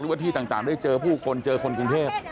ว่าที่ต่างได้เจอผู้คนเจอคนกรุงเทพ